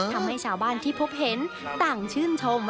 ทำให้ชาวบ้านที่พบเห็นต่างชื่นชม